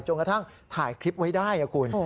กระทั่งถ่ายคลิปไว้ได้นะคุณ